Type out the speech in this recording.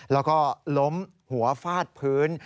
แล้วก็ล้มหัวฟาดพื้น